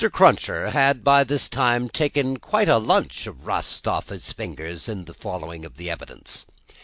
Cruncher had by this time taken quite a lunch of rust off his fingers in his following of the evidence.